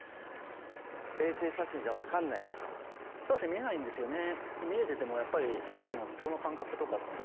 見えないんですよね。